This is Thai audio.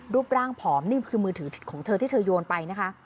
รูปร่างผอมนี่คือมือถือของเธอที่เธอโยนไปนะคะ